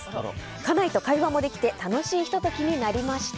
家内と会話もできて楽しいひと時になりました。